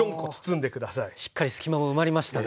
しっかり隙間も埋まりましたね。